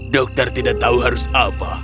dokter tidak tahu harus apa